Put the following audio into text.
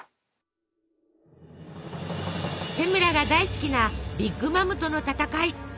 セムラが大好きなビッグ・マムとの戦い。